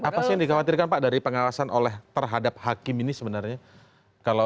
apa sih yang dikhawatirkan pak dari pengawasan terhadap hakim ini sebenarnya